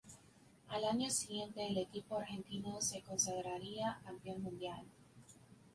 Al año siguiente el equipo argentino se consagraría campeón mundial.